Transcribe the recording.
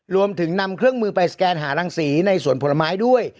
รวมถึงนำเครื่องมือไปสแกนหารังสีในสวนผลไม้ด้วย